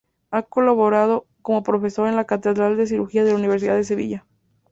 Ha colaborado como profesor en la Cátedra de Cirugía de la Universidad de Sevilla.